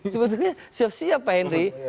sebetulnya siap siap pak henry